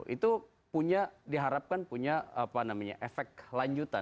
itu diharapkan punya efek lanjutan